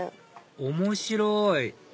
面白い！